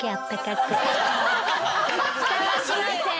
ふたはしません。